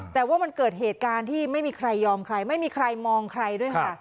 แต่ว่ามันเกิดเหตุการณ์ที่ไม่มีใครยอมใครไม่มีใครมองใครด้วยค่ะ